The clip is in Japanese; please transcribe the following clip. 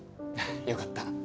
よかった。